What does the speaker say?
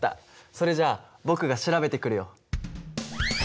それじゃ僕が調べてくるよ。